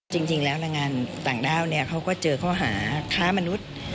จริงแล้วแรงงานต่างด้าวเขาก็เจอข้าวมนุษย์